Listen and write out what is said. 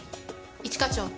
一課長。